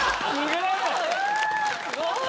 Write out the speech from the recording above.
すごい。